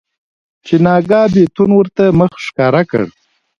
چې ناګاه بيتون ورته مخ ښکاره کړ.